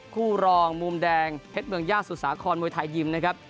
คู่รองมุมแดงเพชรเมืองย่าสุสาครมวยไทยยิมนะครับ